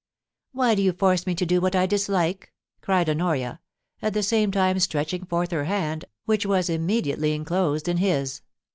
*Why do you force me to do what I dislike?' cried Honoria, at the same time stretching forth her hand, which was immediately enclosed in his.